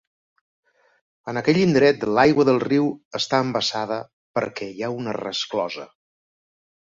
En aquell indret l'aigua del riu està embassada perquè hi ha una resclosa.